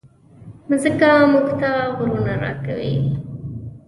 مځکه موږ ته غرونه راکوي.